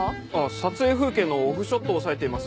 撮影風景のオフショットを押さえています。